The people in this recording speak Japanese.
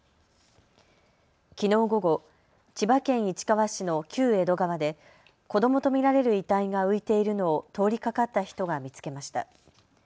きのう午後、千葉県市川市の旧江戸川で子どもと見られる遺体が浮いているのを通りかかった人が見つけました。